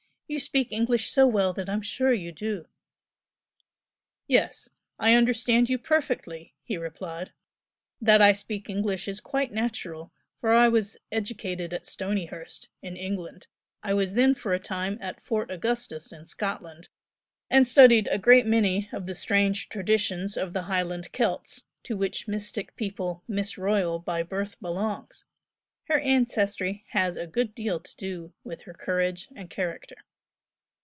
You speak English so well that I'm sure you do." "Yes I understand you perfectly" he replied "That I speak English is quite natural, for I was educated at Stonyhurst, in England. I was then for a time at Fort Augustus in Scotland, and studied a great many of the strange traditions of the Highland Celts, to which mystic people Miss Royal by birth belongs. Her ancestry has a good deal to do with her courage and character."